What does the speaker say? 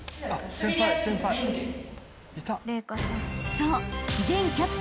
［そう］